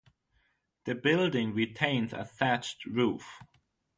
The building retains a thatched roof.